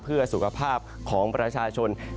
เพื่อสุขภาพของประชาชน